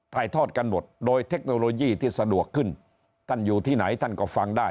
ถ่ายทอดกันหมดโดยเทคโนโลยีที่สะดวกขึ้นท่านอยู่ที่ไหนท่านก็ฟังได้